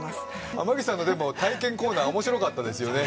浜口さんのでも体験コーナー面白かったですよね